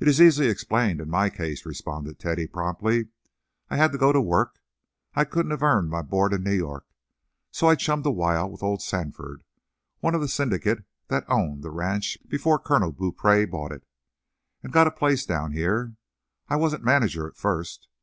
"It's easily explained in my case," responded Teddy, promptly. "I had to go to work. I couldn't have earned my board in New York, so I chummed a while with old Sandford, one of the syndicate that owned the ranch before Colonel Beaupree bought it, and got a place down here. I wasn't manager at first.